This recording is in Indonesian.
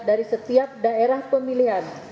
dari setiap daerah pemilihan